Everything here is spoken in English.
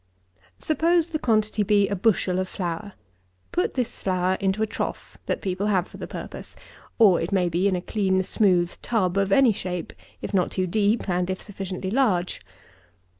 102. Suppose the quantity be a bushel of flour. Put this flour into a trough that people have for the purpose, or it may be in a clean smooth tub of any shape, if not too deep, and if sufficiently large.